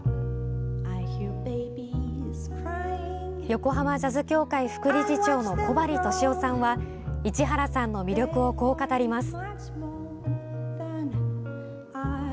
横浜ジャズ協会副理事長の小針俊郎さんは市原さんの魅力をこう語ります。